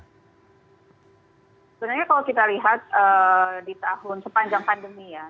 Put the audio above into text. sebenarnya kalau kita lihat di tahun sepanjang pandemi ya